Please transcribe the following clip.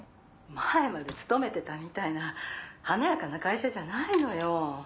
前まで勤めてたみたいな華やかな会社じゃないのよ。